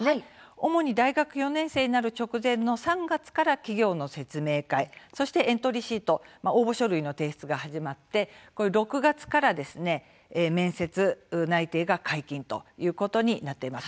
主に大学４年生になる直前の３月から企業の説明会、そしてエントリーシート応募書類の提出が始まり６月から面接、内定が解禁ということになっています。